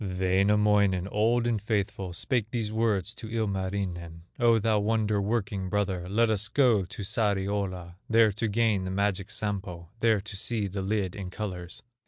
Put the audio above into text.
Wainamoinen, old and faithful, Spake these words to Ilmarinen: "O thou wonder working brother, Let us go to Sariola, There to gain the magic Sampo, There to see the lid in colors."